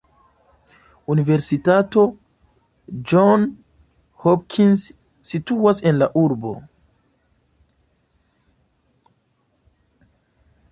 Universitato Johns Hopkins situas en la urbo.